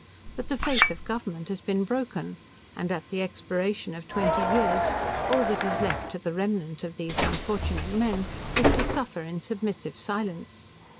But the faith of Government has been broken, and at the expiration of twenty years, all that is left to the remnant of these unfortunate men, is to suffer in submissive silence.